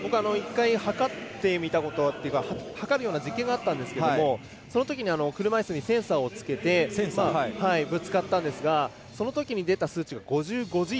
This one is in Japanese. １回、測るような実験があったんですけどそのときに車いすにセンサーをつけてぶつかったんですがそのときに出た数値が５５Ｇ。